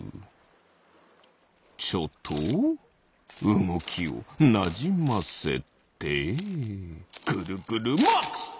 ちょっとうごきをなじませてぐるぐるマックス！